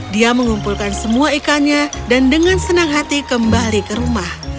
dia mengumpulkan semua ikannya dan dengan senang hati kembali ke rumah